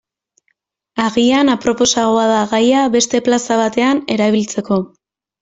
Agian aproposagoa da gaia beste plaza batean erabiltzeko.